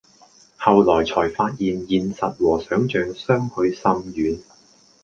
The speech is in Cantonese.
後來才發現現實和想像相去甚遠